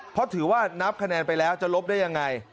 เพราะถือว่านับคะแนนไปแล้วจะลบได้ยังไง